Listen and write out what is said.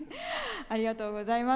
ありがとうございます。